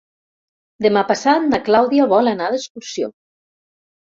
Demà passat na Clàudia vol anar d'excursió.